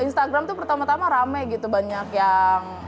instagram tuh pertama tama rame gitu banyak yang